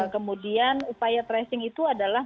kemudian upaya tracing itu adalah